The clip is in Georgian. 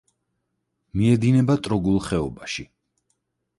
მიედინება ტროგულ ხეობაში.